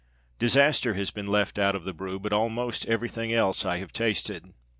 Disaster has been left out of the brew, but almost everything else I have tasted.